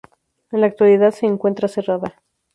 En la actualidad se encuentra cerrada.